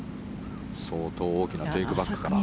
相当大きなテイクバックから。